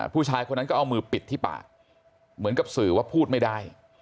ผู้ชายคนนั้นก็เอามือปิดที่ปากเหมือนกับสื่อว่าพูดไม่ได้